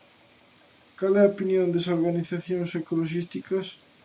¿Cal é a opinión dasorganizacións ecoloxistas?